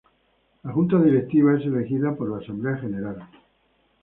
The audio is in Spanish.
La Junta Directiva es elegida por la Asamblea General.